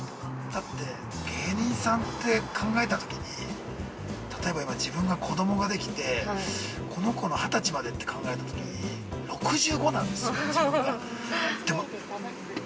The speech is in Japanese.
◆だって、芸人さんて考えたときに例えば、今自分が、子供ができてこの子の二十歳までって考えたときに６５なんですよね、自分が。